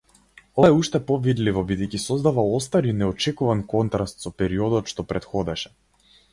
Ова е уште повидливо бидејќи создава остар и неочекуван контраст со периодот што претходеше.